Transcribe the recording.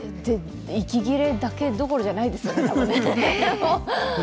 息切れだけどころじゃないですよね、これ。